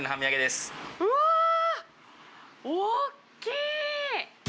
うわー！大きい！